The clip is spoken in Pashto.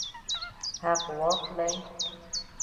حق واخلئ